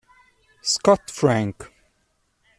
Scott Frank